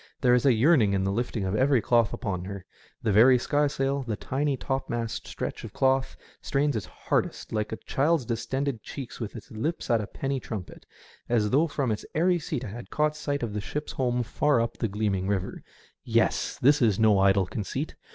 There is a yearning in the lifting of every cloth upon her. The very skysail, the tiny topmast stretch of cloth, strains its hardest, like a child's distended cheeks with its lips at a penny trumpet, as though from its airy seat it had caught sight of the ship's home far up SEASIDE EFFECTS. 205 the gleaming river. Yes ! this is no idle conceit.